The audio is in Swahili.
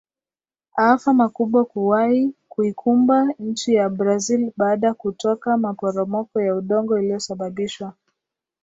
aafa makubwa kuwai kuikumba nchi ya brazil baada kutoka maporomoko ya udongo iliyosababishwa